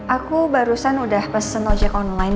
aku barusan udah pesen ojek online